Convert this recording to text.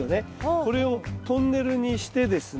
これをトンネルにしてですね